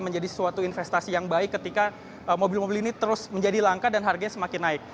menjadi suatu investasi yang baik ketika mobil mobil ini terus menjadi langka dan harganya semakin naik